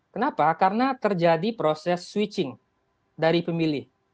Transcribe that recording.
kenapa karena terjadi proses switching dari pemilih